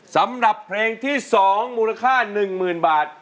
สำหรับเพลงที่สองมูลค่าหนึ่งหมื่นบาท